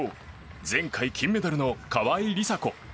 前回、金メダルの川井梨紗子。